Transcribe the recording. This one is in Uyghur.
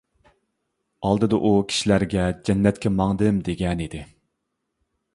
ئالدىدا ئۇ كىشىلەرگە جەننەتكە ماڭدىم دېگەنىدى.